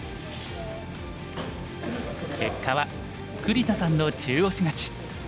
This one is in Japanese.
結果は栗田さんの中押し勝ち。